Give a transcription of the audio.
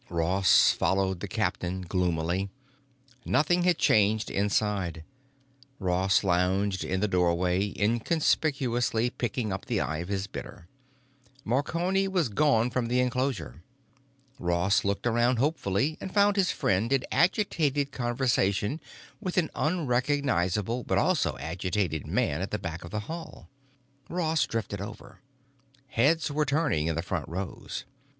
Ross followed the captain gloomily. Nothing had changed inside; Ross lounged in the doorway inconspicuously picking up the eye of his bidder. Marconi was gone from the enclosure. Ross looked around hopefully and found his friend in agitated conversation with an unrecognizable but also agitated man at the back of the hall. Ross drifted over. Heads were turning in the front rows.